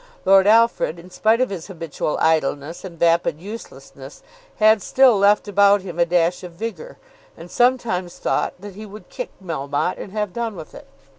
Lord Alfred, in spite of his habitual idleness and vapid uselessness, had still left about him a dash of vigour, and sometimes thought that he would kick Melmotte and have done with it.